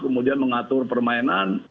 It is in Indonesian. kemudian mengatur permainan